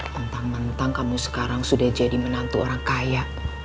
mentang mentang kamu sekarang sudah jadi menantu orang kaya